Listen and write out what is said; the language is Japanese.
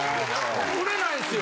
売れないんすよ。